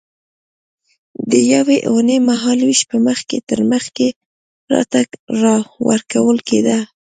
د یوې اوونۍ مهال وېش به مخکې تر مخکې راته ورکول کېده.